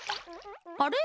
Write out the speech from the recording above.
あれ？